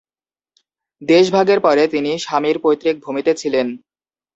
দেশ ভাগের পরে তিনি স্বামীর পৈতৃক ভূমিতে ছিলেন।